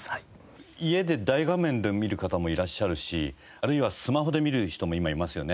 家で大画面で見る方もいらっしゃるしあるいはスマホで見る人も今いますよね。